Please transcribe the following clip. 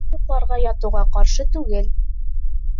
Мин йоҡларға ятыуға ҡаршы түгел